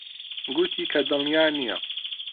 گوتی کە دڵنیا نییە.